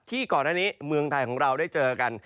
ก่อนหน้านี้เมืองไทยของเราได้เจอกัน